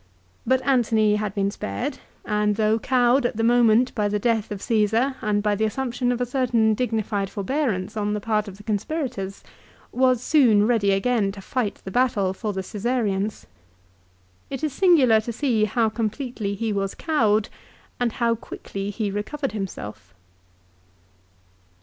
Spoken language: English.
But Antony had been spared ; and though cowed at the moment by the death of Caesar and by the assumption of a certain dignified forbearance on the part of the conspirators, was soon ready again to fight the battle for the Caesareans. It is singular to see how com pletely he was cowed, and how quickly he recovered himself.